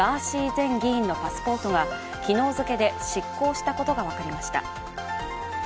前議員のパスポートが昨日付で失効したことが分かりました。